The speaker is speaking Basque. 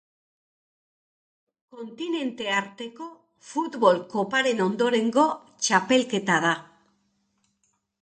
Kontinente arteko Futbol Koparen ondorengo txapelketa da.